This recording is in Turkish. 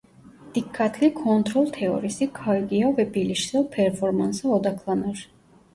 Dikkatli kontrol teorisi kaygıya ve bilişsel performansa odaklanır.